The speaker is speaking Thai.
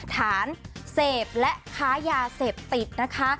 ฐานเสพและค้ายาเสพติดนะคะ